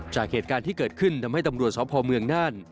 จากเหตุการณ์ที่เกิดขึ้นทำให้ตำรวจสพเมืองน่าน